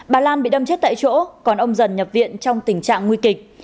bà lan bị đâm chết tại chỗ còn ông dần nhập viện trong tình trạng nguy kịch